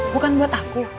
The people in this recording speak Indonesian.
bukan buat aku